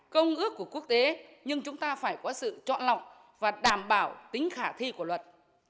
công ước của quốc tế nhưng chúng ta phải có sự chọn lọc và đảm bảo tính khả thi của luật